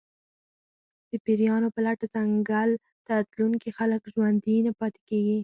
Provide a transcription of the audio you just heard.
د پېریانو په لټه ځنګل ته تلونکي خلک ژوندي نه پاتې کېږي.